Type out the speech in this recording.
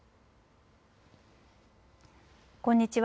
こんにちは。